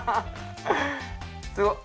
すごっ！